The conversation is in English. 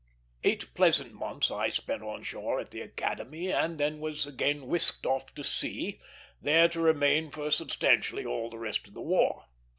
Eight pleasant months I spent on shore at the Academy, and then was again whisked off to sea, there to remain for substantially all the rest of the war.